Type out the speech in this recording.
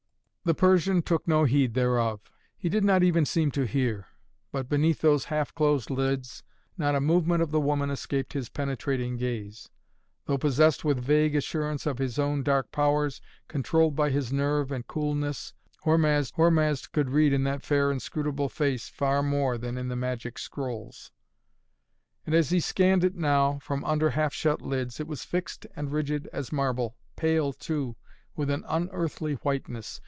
The Persian took no heed thereof. He did not even seem to hear. But, beneath those half closed lids, not a movement of the woman escaped his penetrating gaze. Though possessed with a vague assurance of his own dark powers, controlled by his nerve and coolness, Hormazd could read in that fair, inscrutable face far more than in the magic scrolls. And as he scanned it now, from under half shut lids, it was fixed and rigid as marble, pale, too, with an unearthly whiteness.